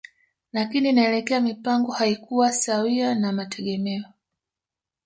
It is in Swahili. Lakini inaelekea mipango haikuwa sawia na mategemeo